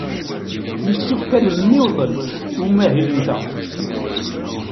Yessefk ad nemmiḍwel i umahil-nteɣ.